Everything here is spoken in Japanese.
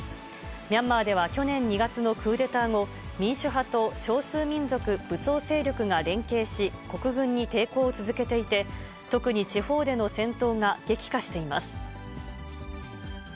ミャンマーでは去年２月のクーデター後、民主派と少数民族武装勢力が連携し、国軍に抵抗を続けていて、特に地方での戦闘が激化しています。